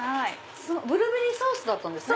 ブルーベリーソースだったんですね。